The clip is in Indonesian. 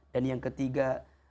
dan yang ketiga